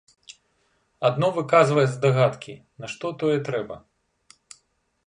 Адно выказвае здагадкі, нашто тое трэба.